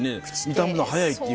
傷むの早いっていうから。